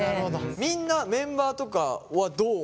みんなメンバーとかはどう思う？